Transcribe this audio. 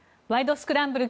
スクランブル」